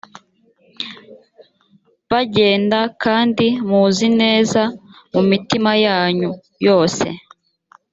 bagenda kandi muzi neza mu mitima yanyu yose